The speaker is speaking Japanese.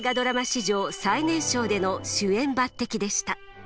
史上最年少での主演抜てきでした。